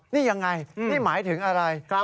นี่ยังไงนี่หมายถึงอะไร